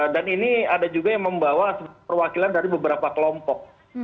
dan ini ada juga yang membawa perwakilan dari beberapa kelompok